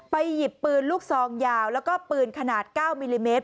หยิบปืนลูกซองยาวแล้วก็ปืนขนาด๙มิลลิเมตร